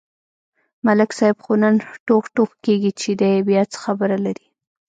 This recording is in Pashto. ملک صاحب خو نن ټوغ ټوغ کېږي، چې دی بیا څه خبره لري.